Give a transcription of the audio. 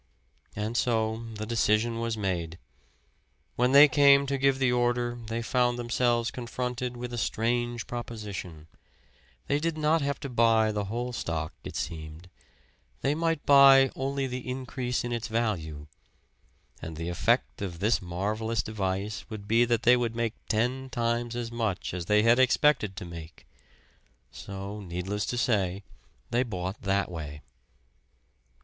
And so the decision was made. When they came to give the order they found themselves confronted with a strange proposition; they did not have to buy the whole stock, it seemed they might buy only the increase in its value. And the effect of this marvelous device would be that they would make ten times as much as they had expected to make! So, needless to say, they bought that way.